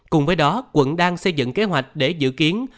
cùng với đó quận đang xây dựng kế hoạch để dự kiến